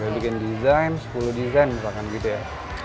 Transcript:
bikin desain sepuluh desain misalkan gitu ya